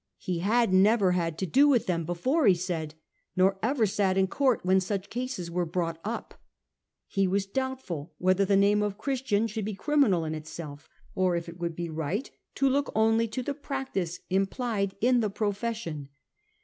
He had never had to do with them before, he said, nor ever sat in court when such cases were brought up. He was doubtful whether the name of Christian should be criminal in itself, or if it would be right to look only to the practice implied in the profession.